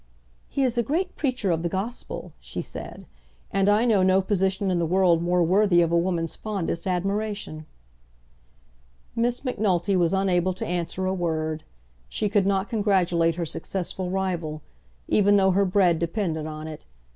"He is a great preacher of the gospel," she said, "and I know no position in the world more worthy of a woman's fondest admiration." Miss Macnulty was unable to answer a word. She could not congratulate her successful rival, even though her bread depended on it.